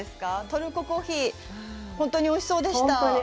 トルココーヒー、本当においしそうでした。